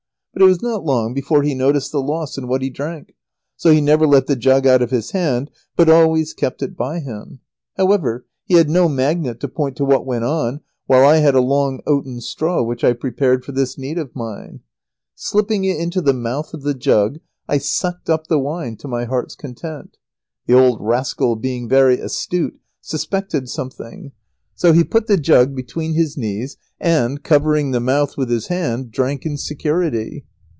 But it was not long before he noticed the loss in what he drank, so he never let the jug out of his hand, but always kept it by him. [Sidenote: Various ways of getting at the wine.] However, he had no magnet to point to what went on, while I had a long oaten straw which I prepared for this need of mine. Slipping it into the mouth of the jug I sucked up the wine to my heart's content. The old rascal, being very astute, suspected something. So he put the jug between his knees and, covering the mouth with his hand, drank in security.